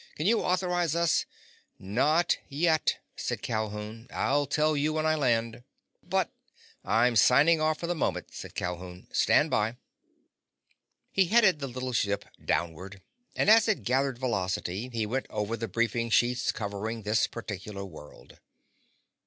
"Can you authorize us—" "Not yet," said Calhoun. "I'll tell you when I land." "But—" "I'm signing off for the moment," said Calhoun. "Stand by." He headed the little ship downward, and as it gathered velocity he went over the briefing sheets covering this particular world.